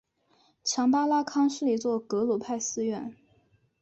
强巴拉康是一座格鲁派寺院。